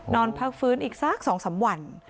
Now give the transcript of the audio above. นอนพักฟื้นอีกสัก๒๓วัน